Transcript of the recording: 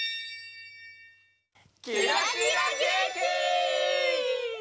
キラキラげんき！